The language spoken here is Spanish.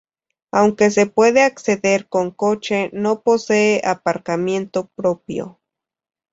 Aunque se puede acceder con coche, no posee aparcamiento propio.